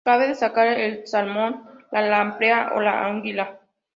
Cabe destacar el salmón, la lamprea o la anguila.